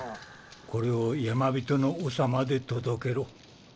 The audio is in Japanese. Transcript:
これをヤマビトの長まで届けろ。